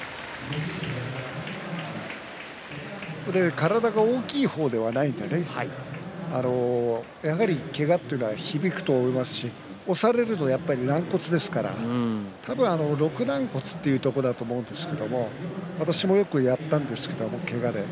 体は大きい方ではないのでやはり、けがというのは響くと思いますし押されると軟骨ですからろく軟骨というところだと思うんですけど私もよくやったんですよね。